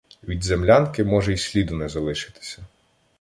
Від землянки може й сліду не залишитися.